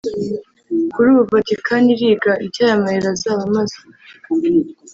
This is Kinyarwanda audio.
Kuri ubu Vatikani iriga icyo ayo mayero azaba amaze